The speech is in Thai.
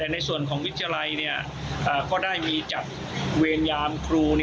แต่ในส่วนของวิทยาลัยก็ได้มีจัดเวรยามครู